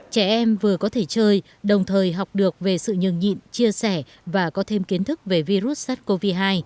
trẻ em vừa có thể chơi đồng thời học được về sự nhường nhịn chia sẻ và có thêm kiến thức về virus sars cov hai